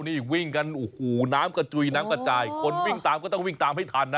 นี่วิ่งกันโอ้โหน้ำกระจุยน้ำกระจายคนวิ่งตามก็ต้องวิ่งตามให้ทันนะ